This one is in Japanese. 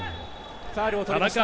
ファウルをとりました。